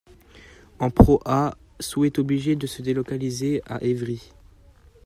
En Pro A, Sceaux est obligé de se délocaliser à Évry.